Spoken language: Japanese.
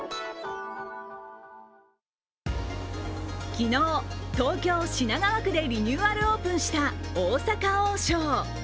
昨日、東京・品川区でリニューアルオープンした大阪王将。